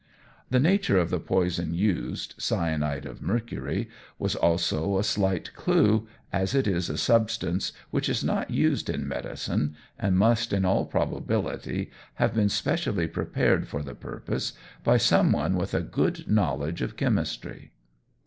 The nature of the poison used, cyanide of mercury, was also a slight clue, as it is a substance which is not used in medicine and must in all probability have been specially prepared for the purpose, by some one with a good knowledge of chemistry.